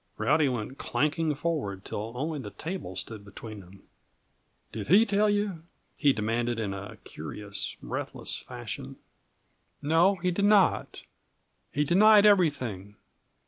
Rowdy went clanking forward till only the table stood between. "Did he tell you?" he demanded, in a curious, breathless fashion. "No, he did not. He denied everything.